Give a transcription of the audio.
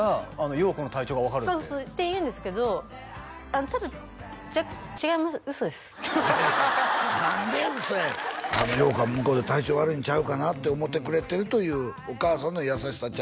「よう子の体調が分かる」ってそうそうっていうんですけど多分何で嘘やねん「よう子は向こうで体調悪いんちゃうかな？」って思うてくれてるというお母さんの優しさちゃう？